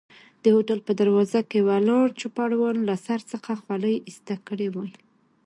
د هوټل په دروازه کې ولاړ چوپړوال له سر څخه خولۍ ایسته کړي وای.